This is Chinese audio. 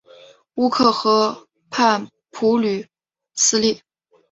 乌尔克河畔普吕斯利。